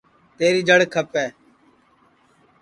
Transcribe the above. تیری جڑ کھپئے